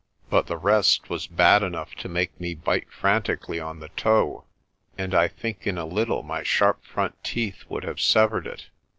But the rest was bad enough to make me bite fran tically on the tow, and I think in a little my sharp front teeth would have severed it.